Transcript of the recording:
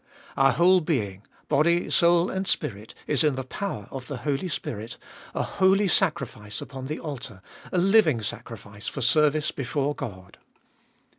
Our whole being, body, soul, and spirit, is in the power of the Holy Spirit, a holy sacrifice upon the altar, a living sacrifice for service before God.